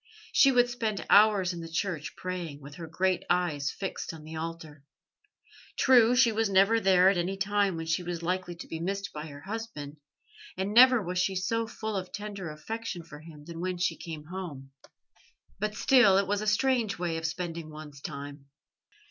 She would spend hours in the church praying, with her great eyes fixed on the altar. True, she was never there at any time when she was likely to be missed by her husband, and never was she so full of tender affection for him as when she came home; but still, it was a strange way of spending one's time.